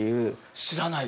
知らない！